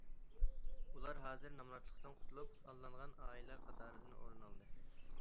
ئۇلار ھازىر نامراتلىقتىن قۇتۇلۇپ، ھاللانغان ئائىلىلەر قاتارىدىن ئورۇن ئالدى.